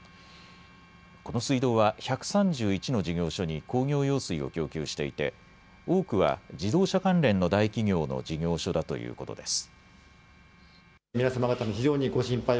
この水道は１３１の事業所に工業用水を供給していて多くは自動車関連の大企業の事業所だということです。